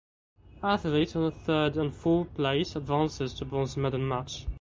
Athletes on the third and four place advances to bronze medal match.